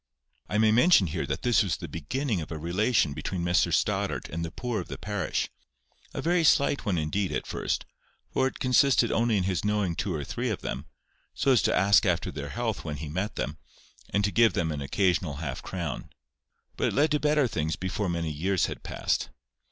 I may mention here that this was the beginning of a relation between Mr Stoddart and the poor of the parish—a very slight one indeed, at first, for it consisted only in his knowing two or three of them, so as to ask after their health when he met them, and give them an occasional half crown. But it led to better things before many years had passed.